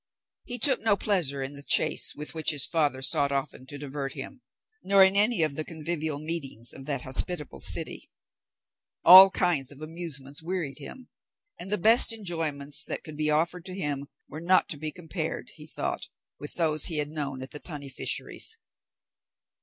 He took no pleasure in the chase, with which his father sought often to divert him, nor in any of the convivial meetings of that hospitable city. All kinds of amusements wearied him, and the best enjoyments that could be offered to him were not to be compared, he thought, with those he had known at the tunny fisheries.